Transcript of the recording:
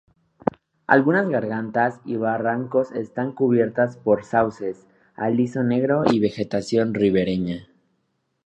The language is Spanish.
Algunas gargantas y barrancos están cubiertos por sauces, aliso negro y vegetación ribereña.